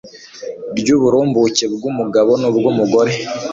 ry'uburumbuke bw'umugabo n'ubw'umugore